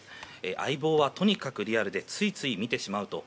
「相棒」はとにかくリアルでついつい見てしまうと。